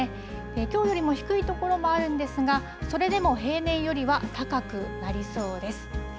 きょうよりも低い所もあるんですがそれでも平年よりは高くなりそうです。